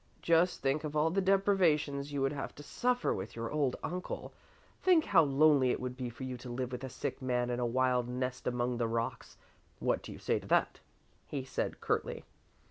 "Just think of all the deprivations you would have to suffer with your old uncle! Think how lonely it would be for you to live with a sick man in a wild nest among the rocks! What do you say to that?" he said curtly.